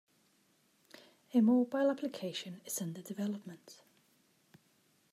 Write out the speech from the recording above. A mobile application is under development.